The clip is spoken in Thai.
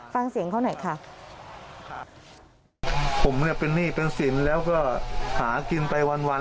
ฟังเสียงเขาหน่อยค่ะผมเนี่ยเป็นหนี้เป็นสินแล้วก็หากินไปวันวัน